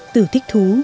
từ thích thú